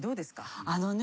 あのね。